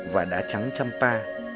và đá trắng trăm pa